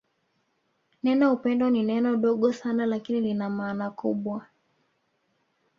Neno upendo ni neno dogo sana lakini lina maana kubwa